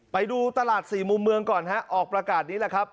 ไปดูตลาดสี่มุมเมืองก่อนฮะออกประกาศนี้แหละครับ